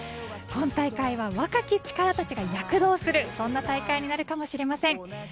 今大会は若き力たちが躍動するそんな大会になるかもしれません。